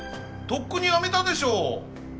とっくにやめたでしょ